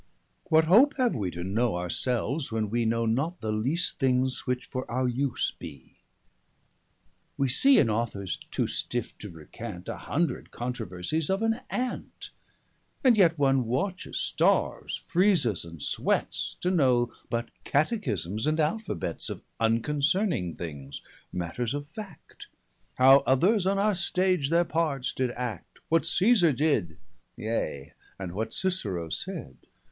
What hope have wee to know our selves, when wee Know not the least things, which for our use be? 280 Wee see in Authors, too stiffe to recant, A hundred controversies of an Ant; And yet one watches, starves, freeses, and sweats, To know but Catechismes and Alphabets Of unconcerning things, matters of fact; 285 How others on our stage their parts did Act; What Cæsar did, yea, and what Cicero said.